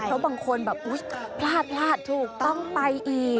เพราะบางคนแบบอุ๊ยพลาดพลาดถูกต้องไปอีก